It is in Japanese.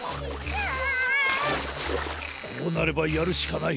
こうなればやるしかない。